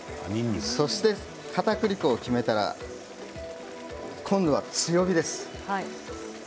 そして、かたくり粉を決めたら今度は強火です。